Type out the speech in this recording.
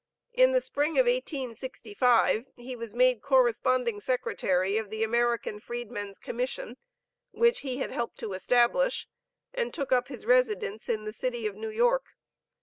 In the spring of 1865, he was made corresponding secretary of the American Freedman's Commission, which he had helped to establish, and took up his residence in the city of New York.